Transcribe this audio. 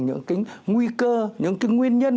những cái nguy cơ những cái nguyên nhân